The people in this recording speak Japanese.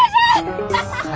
ハハハハ！